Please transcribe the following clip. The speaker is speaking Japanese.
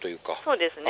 そうですね。